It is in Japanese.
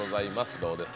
どうですか？